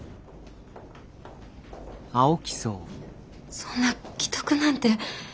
そんな危篤なんて。